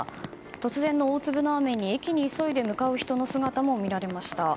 突然の大粒の雨に駅に急いで向かう人の姿も見られました。